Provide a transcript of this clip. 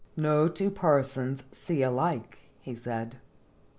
" No two persons see alike," he said.